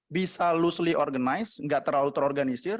bisa loosely organize enggak terlalu terorganisir